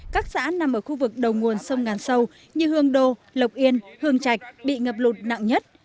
các xã nằm ở khu vực đầu nguồn sông ngàn sâu như hương đô lộc yên hương trạch bị ngập lụt nặng nhất